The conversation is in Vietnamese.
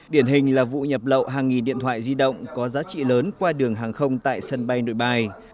điển hình là vụ nhập lậu hàng nghìn điện thoại di động có giá trị lớn qua đường hàng không tại sân bay nội bài